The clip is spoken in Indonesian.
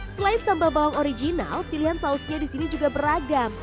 selain sambal bawang original pilihan sausnya di sini juga beragam